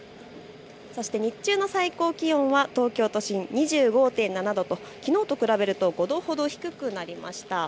そして日中の最高気温は東京都心、２５．７度ときのうと比べると５度ほど低くなりました。